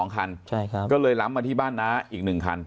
ก็เลยล้ำมาที่บ้านหน้าอีกหนึ่งคัน